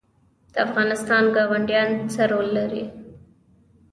د افغانستان ګاونډیان څه رول لري؟